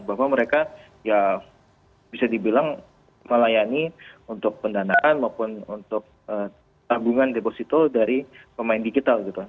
bahwa mereka ya bisa dibilang melayani untuk pendanaan maupun untuk tabungan deposito dari pemain digital gitu